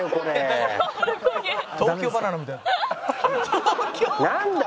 「東京ばな奈みたい」なんだ！？